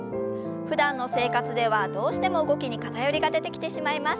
ふだんの生活ではどうしても動きに偏りが出てきてしまいます。